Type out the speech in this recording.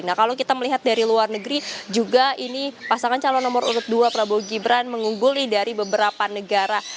nah kalau kita melihat dari luar negeri juga ini pasangan calon nomor urut dua prabowo gibran mengungguli dari beberapa negara